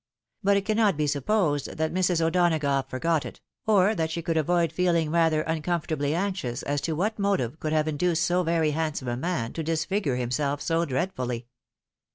But it cannot be supposed that Mrs. O'Donagough for got it ; or that she could avoid feeling rather uncomfortably anxious as to what motive could have induced so very handsome a man to disfigure himself so dreadfuUy.